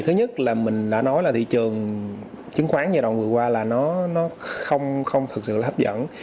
thứ nhất là mình đã nói là thị trường chứng khoán giai đoạn vừa qua là nó không thực sự là hấp dẫn